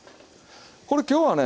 これ今日はね